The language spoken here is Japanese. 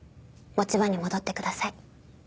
持ち場に戻ってください。